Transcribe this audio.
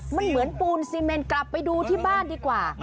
มันเหมือนปูนซีเมนกลับไปดูที่บ้านดีกว่า